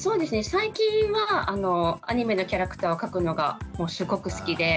最近はアニメのキャラクターを描くのがすごく好きで。